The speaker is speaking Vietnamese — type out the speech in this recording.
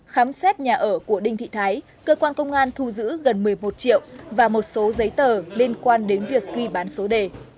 khám xét nhà ở của đinh thị thái cơ quan công an thu giữ gần một mươi một triệu và một số giấy tờ liên quan đến việc ghi bán số đề